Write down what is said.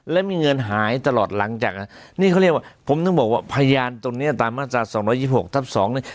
และมีเงินหายตลอดหลังจากนี่เขาเรียกว่าผมถึงบอกว่าพยานตรงเนี้ยตามมาตรา๒๒๖ทับ๒เนี่ย